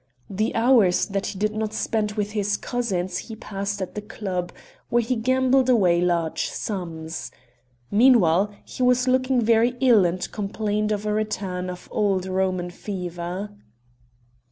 The hours that he did not spend with his cousins he passed at the club, where he gambled away large sums. Meanwhile, he was looking very ill and complained of a return of old Roman fever.